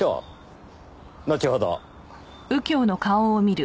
後ほど。